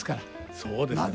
そうですね。